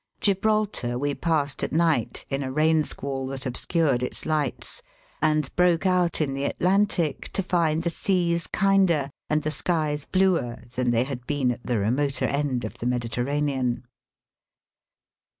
Gibraltar we passed at night in a rain squall that obscured, its lights, and broke out in the Atlantic to find the seas kinder and the skies bluer than they had been at the remoter end of the Mediterranean.